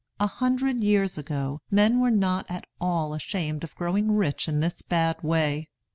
A hundred years ago men were not at all ashamed of growing rich in this bad way.